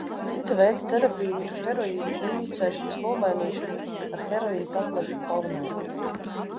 Cita veida terapija ir heroīna injicēšanas nomainīšana ar heroīnu tablešu formā.